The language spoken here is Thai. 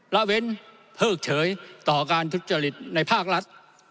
ละเว้นเพิกเฉยต่อการทุจริตในภาครัฐ